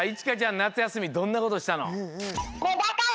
なつやすみどんなことしたの？